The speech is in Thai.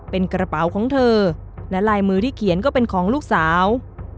เป็นกระเป๋าของเธอและลายมือที่เขียนก็เป็นของลูกสาว